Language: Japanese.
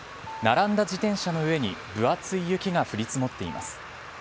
並んだ自転車の上に分厚い雪が降り積もっています。